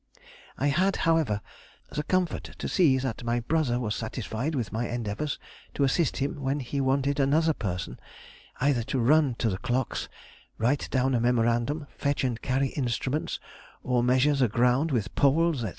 I had, however, the comfort to see that my brother was satisfied with my endeavours to assist him when he wanted another person, either to run to the clocks, write down a memorandum, fetch and carry instruments, or measure the ground with poles, &c.